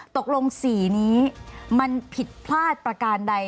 ตกลง๔นี้มันผิดพลาดประการใด